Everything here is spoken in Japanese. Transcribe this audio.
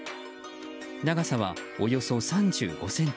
長さはおよそ３５ｃｍ。